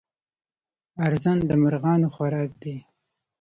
ارزن د مرغانو خوراک دی.